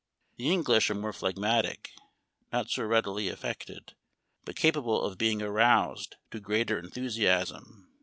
The English are more phleg matic, not so readily affected, but capable of being aroused to greater enthusiasm.